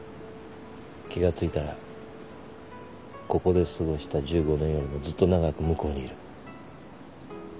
気が付いたらここで過ごした１５年よりもずっと長く向こうにいる。